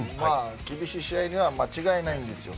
厳しい試合には間違いないんですよ。